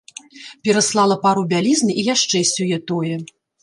Пераслала пару бялізны і яшчэ сёе-тое.